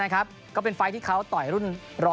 ก็เป็นไฟล์ที่เขาต่อยรุ่น๑๐